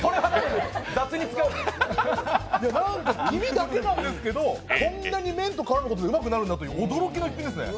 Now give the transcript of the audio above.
なんか、黄身だけなんですけどこんなに麺と絡むことでうまくなるんだっていう驚きの逸品ですね。